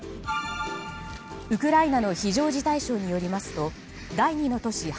ウクライナの非常事態省によりますと第２の都市